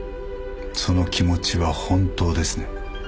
その気持ちは本当ですね？